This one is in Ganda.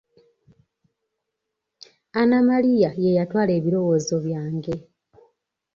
Anna Maria ye yatwala ebirowoozo byange.